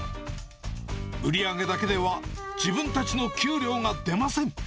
売り上げだけでは自分たちの給料が出ません。